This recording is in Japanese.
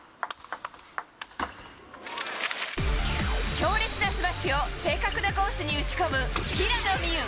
強烈なスマッシュを、正確なコースに打ち込む平野美宇。